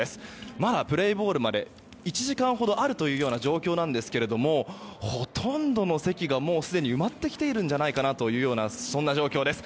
まだプレーボールまで１時間ほどあるという状況なんですけどもほとんどの席が埋まってきているんじゃないかなというそんな状況です。